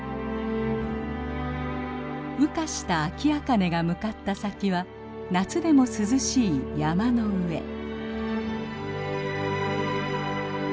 羽化したアキアカネが向かった先は夏でも涼しい山の上。